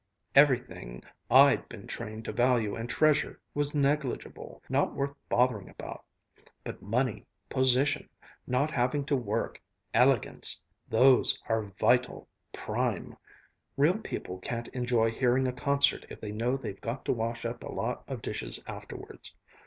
Everything I'd been trained to value and treasure was negligible, not worth bothering about. But money position not having to work elegance those are vital prime! Real people can't enjoy hearing a concert if they know they've got to wash up a lot of dishes afterwards.